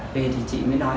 về thì chị mới nói